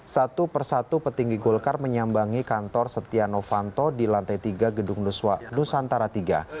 satu persatu petinggi golkar menyambangi kantor setia novanto di lantai tiga gedung nusantara iii